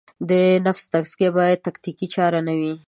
د نفس تزکیه باید تکتیکي چاره نه وي.